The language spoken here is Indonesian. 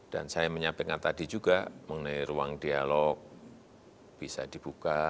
dan saya menyampaikan tadi juga mengenai ruang dialog bisa dibuka